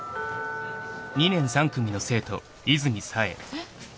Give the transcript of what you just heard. ［２年３組の生徒和泉冴］えっ？